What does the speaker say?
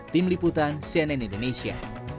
tim liputan cnn indonesia